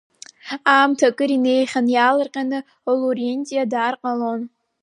Аамҭа акыр инеихьан, иаалырҟьаны Лурентиа дааир ҟалон.